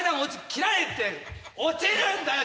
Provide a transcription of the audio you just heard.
斬られて落ちるんだよ